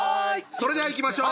それではいきましょう。